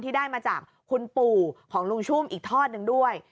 ได้มาจากคุณปู่ของลุงชุ่มอีกทอดหนึ่งด้วย